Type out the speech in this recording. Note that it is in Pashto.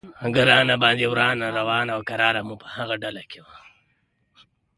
باندې روان و او کرار مو په هغه ډله کې.